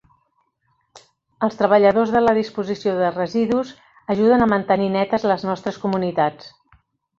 Els treballadors de la disposició de residus ajuden a mantenir netes les nostres comunitats.